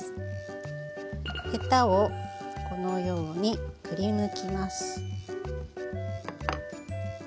へたをこのようにくりぬきます。